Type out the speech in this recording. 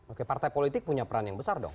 oke partai politik punya peran yang besar dong